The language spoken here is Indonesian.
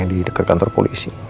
di dekat kantor polisi